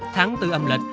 tháng bốn âm lịch